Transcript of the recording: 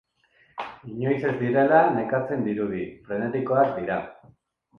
Inoiz ez direla nekatzen dirudi, frentetikoak dira.